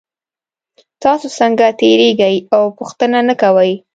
تاسو څنګه تیریږئ او پوښتنه نه کوئ